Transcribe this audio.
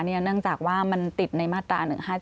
เนื่องจากว่ามันติดในมาตรา๑๕๗